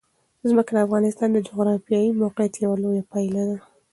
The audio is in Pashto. ځمکه د افغانستان د جغرافیایي موقیعت یوه لویه پایله ده.